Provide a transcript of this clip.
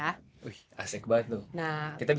wih asik banget tuh